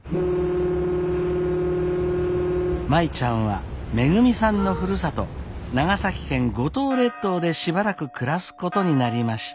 舞ちゃんはめぐみさんのふるさと長崎県五島列島でしばらく暮らすことになりました。